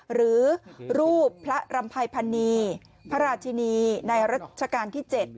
หรือรูปพระรำภัยพันนีพระราชินีในรัชกาลที่๗